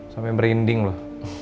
sampai merinding loh